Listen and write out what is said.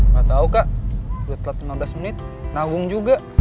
gatau kak udah telat enam belas menit nabung juga